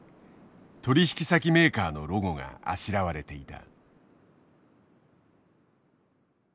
取引先メーカーのロゴがあしらわれていた。